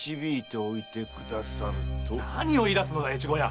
何を言い出すのだ越後屋。